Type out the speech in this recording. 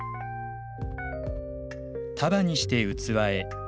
束にして器へ。